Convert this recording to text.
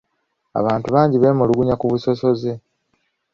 Abantu bangi beemulugunya ku busosoze.